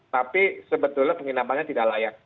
tapi sebetulnya penginapannya tidak layak